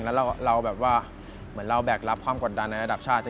แล้วเราแบบว่าเหมือนเราแบกรับความกดดันในระดับชาติ